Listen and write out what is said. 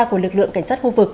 của lực lượng cảnh sát khu vực